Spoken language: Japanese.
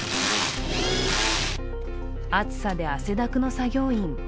暑さで汗だくの作業員。